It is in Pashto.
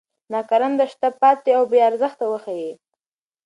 ناکارنده، شاته پاتې او بې ارزښته وښيي.